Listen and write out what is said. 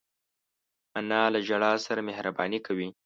انا له ژړا سره مهربانې کوي